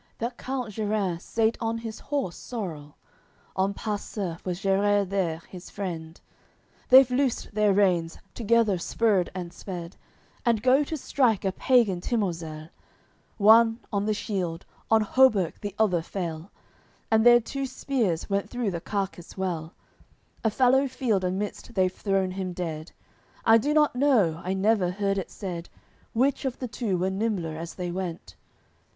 AOI. CVIII That count Gerins sate on his horse Sorel, On Passe Cerf was Gerers there, his friend; They've loosed their reins, together spurred and sped, And go to strike a pagan Timozel; One on the shield, on hauberk the other fell; And their two spears went through the carcass well, A fallow field amidst they've thrown him dead. I do not know, I never heard it said Which of the two was nimbler as they went.